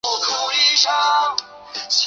落魄街头靠著施舍过活